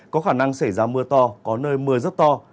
có khả năng xảy ra mưa to có nơi mưa rất to